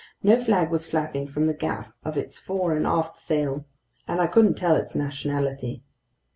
No flag was flapping from the gaff of its fore and aft sail, and I couldn't tell its nationality.